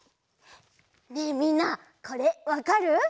ねえみんなこれわかる？